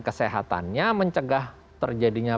kesehatannya mencegah terjadinya